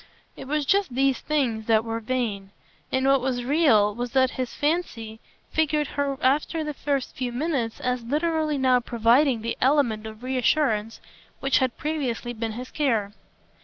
It was just these things that were vain; and what was real was that his fancy figured her after the first few minutes as literally now providing the element of reassurance which had previously been his care.